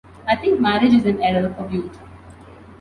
I think marriage is an error of youth.